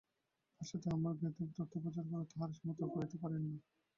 পাশ্চাত্যে আমার বেদের তত্ত্ব প্রচার করা তাঁহারা সমর্থন করিতে পারেন নাই।